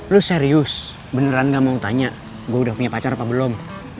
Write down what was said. lu serius beneran gak mau tanya gue udah punya pacar apa belum